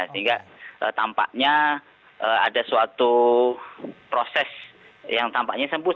sehingga tampaknya ada suatu proses yang tampaknya sembuh